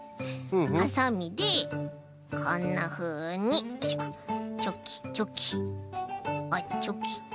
はさみでこんなふうにチョキチョキあっチョキチョキ。